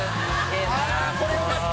「これよかった！